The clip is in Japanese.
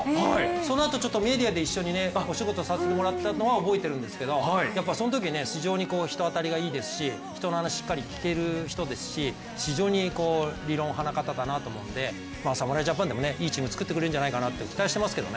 そのあと、メディアで一緒にお仕事させてもらったのは覚えてるんですけどそのとき、非常に人当たりがいいですし人の話をしっかりと聞ける人ですし非常に理論派の方だなと思うので侍ジャパンでもいいチーム作ってくれると期待してますけど。